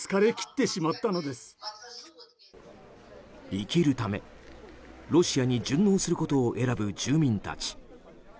生きるため、ロシアに順応することを選ぶ住民たち。